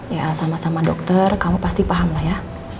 ya sama sama dokter kamu pasti paham lah ya